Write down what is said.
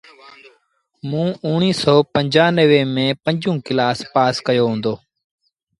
موݩ اُڻيٚه سو پنجآنويٚ ميݩ پنجون ڪلآس پآس ڪيو هُݩدو۔